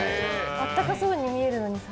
あったかそうに見えるのにさ。